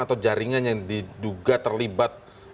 atau jaringan yang diduga terlibat